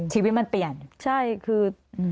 ชีวิตมันเปลี่ยนใช่คือ